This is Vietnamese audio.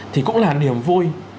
thì cũng là niềm vui